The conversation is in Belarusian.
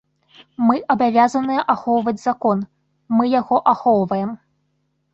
Мы абавязаныя ахоўваць закон, мы яго ахоўваем.